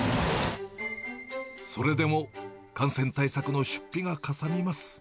それでも感染対策の出費がかさみます。